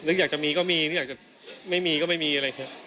อยากจะมีก็มีนึกอยากจะไม่มีก็ไม่มีอะไรอย่างนี้